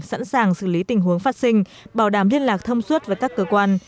sẵn sàng xử lý tình huống phát sinh bảo đảm liên lạc thông suốt với các cơ quan